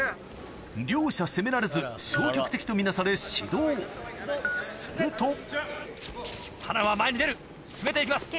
両者攻められず消極的と見なされ指導すると塙前に出る詰めていきます。